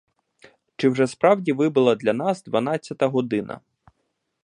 Чи вже справді вибила для нас дванадцята година?